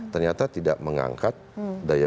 ternyata tidak mengangkat daya